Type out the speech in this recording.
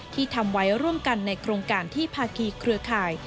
ที่ทำไว้ร่วมกันในโครงการที่ภาคีเครือข่าย